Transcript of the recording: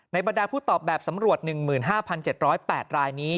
บรรดาผู้ตอบแบบสำรวจ๑๕๗๐๘รายนี้